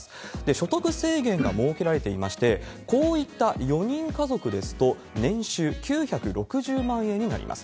所得制限が設けられていまして、こういった４人家族ですと、年収９６０万円になります。